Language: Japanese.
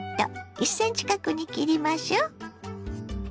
１ｃｍ角に切りましょ。